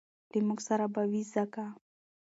له موږ سره به وي ځکه